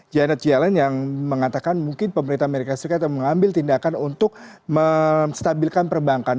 janet yellen yang mengatakan mungkin pemerintah amerika serikat yang mengambil tindakan untuk menstabilkan perbankan